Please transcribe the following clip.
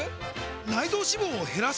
内臓脂肪を減らす！？